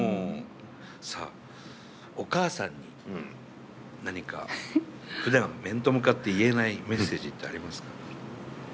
さあお母さんに何かふだん面と向かって言えないメッセージってありますか？